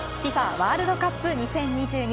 ワールドカップ２０２２